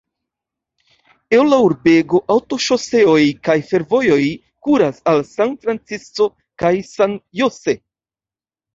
El la urbego aŭtoŝoseoj kaj fervojoj kuras al San Francisco kaj San Jose.